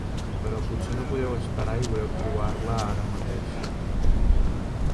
Però potser no podeu esperar i voleu provar-la ara mateix.